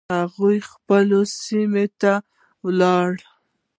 هغوی خپلو سیمو ته ولاړل.